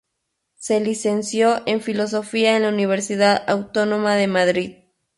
Se licenció en Filosofía en la Universidad Autónoma de Madrid.